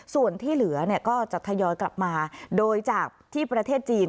ส่วนที่เหลือก็จะทยอยกลับมาโดยจากที่ประเทศจีน